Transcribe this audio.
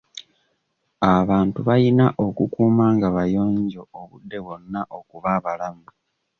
Abantu bayina okukuuma nga bayonjo obudde bwonna okuba abalamu.